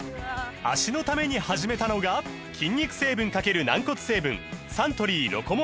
脚のために始めたのが筋肉成分×軟骨成分サントリー「ロコモア」です